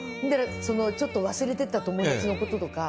ちょっと忘れてた友達のこととか。